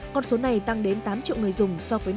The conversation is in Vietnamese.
còn số này tăng đến tám